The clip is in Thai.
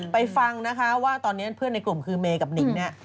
ฟังนะคะว่าตอนนี้เพื่อนในกลุ่มคือเมย์กับหนิงเนี่ย